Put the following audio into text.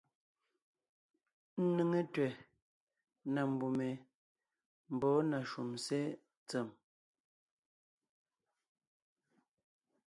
Ńnéŋe tẅɛ̀ na mbùm ye mbɔ̌ na shúm sé ntsèm.